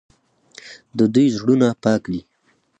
د دوی زړونه پاک دي.